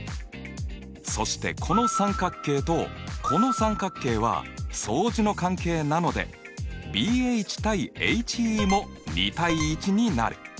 そしてこの三角形とこの三角形は相似の関係なのでＢＨ：ＨＥも２：１になる。